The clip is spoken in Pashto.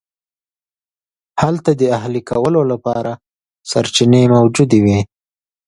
هلته د اهلي کولو لپاره سرچینې موجودې وې.